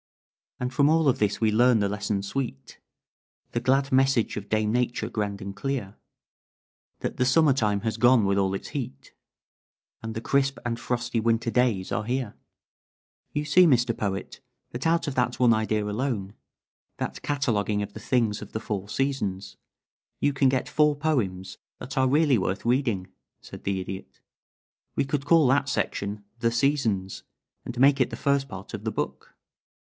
"And from all of this we learn the lesson sweet The glad message of Dame Nature, grand and clear: That the summer time has gone with all its heat, And the crisp and frosty winter days are here. You see, Mr. Poet, that out of that one idea alone that cataloguing of the things of the four seasons you can get four poems that are really worth reading," said the Idiot. "We could call that section 'The Seasons,' and make it the first part of the book.